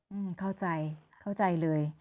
อืมเข้าใจเข้าใจเลย